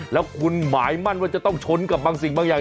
แล้วคุณหมายมั่นว่าจะต้องชนกับบางสิ่งบางอย่าง